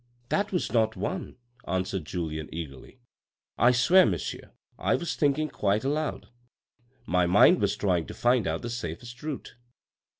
" That was not one," answered Julien eagerly. " I swear, monsieur, I was thinking quite aloud. My mind was trying to find out the safest route."